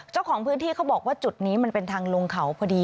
เจ้าของพื้นที่เขาบอกว่าจุดนี้มันเป็นทางลงเขาพอดี